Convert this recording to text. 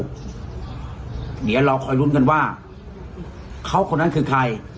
เดี๋ยวเราคอยลุ้นกันว่าเขาคนนั้นคือใคร